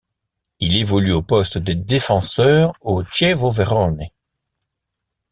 Il évolue au poste de défenseur au Chievo Vérone.